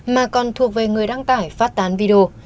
mà còn thuộc về người đăng tải phát tán video